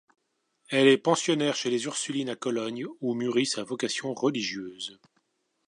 Elle est pensionnaire chez les Ursulines à Cologne, où mûrit sa vocation religieuse.